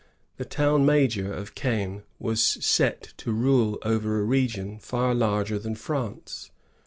The town major of Caen was set to rule over a region far larger than France.